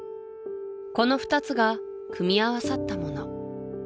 この２つが組み合わさったもの